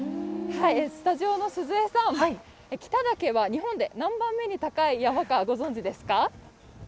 スタジオの鈴江さん、北岳は日本で名番目に高い山か、ご存じですか？